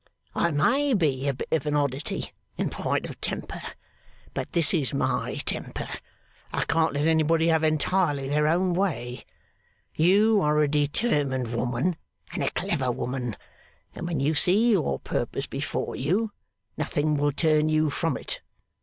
I may be a bit of an oddity in point of temper, but this is my temper I can't let anybody have entirely their own way. You are a determined woman, and a clever woman; and when you see your purpose before you, nothing will turn you from it.